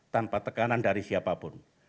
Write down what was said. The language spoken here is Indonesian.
tanpa tekanan dari siapapun